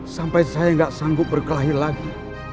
sampai saya nggak sanggup berkelahi lagi